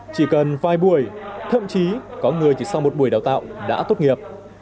chỉ cần vài buổi thậm chí có người chỉ sau một buổi đào tạo đã tốt nghiệp